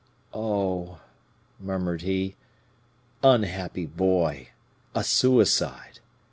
"Oh!" murmured he, "unhappy boy! a suicide!"